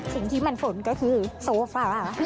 สิ่งที่มันฝนก็คือโซฟา